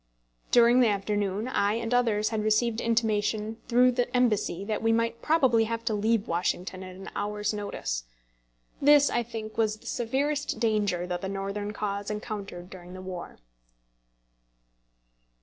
During the afternoon I and others had received intimation through the embassy that we might probably have to leave Washington at an hour's notice. This, I think, was the severest danger that the Northern cause encountered during the war.